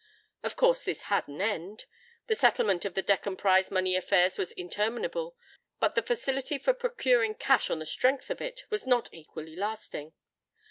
Of course this had an end: the settlement of the Deccan Prize Money affairs was interminable; but the facility for procuring cash on the strength of it was not equally lasting.